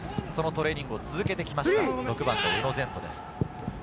そのトレーニングを続けてきました、６番の宇野禅斗です。